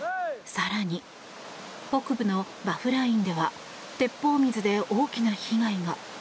更に北部のバフラインでは鉄砲水で大きな被害が。